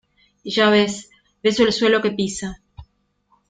y ya ves, beso el suelo que pisa.